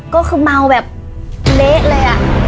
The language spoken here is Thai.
ก็คือเมาแบบเละเลยอะ